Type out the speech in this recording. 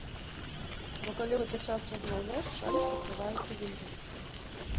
Бо калі ў гэты час размаўляць, шалік пакрываецца вільгаццю.